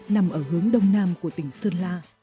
nằm ở hướng đông nam của tỉnh sơn la